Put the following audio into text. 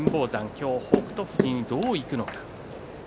今日、北勝富士にどういくのか。